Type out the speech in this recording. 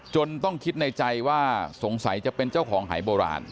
ต้องคิดในใจว่าสงสัยจะเป็นเจ้าของหายโบราณ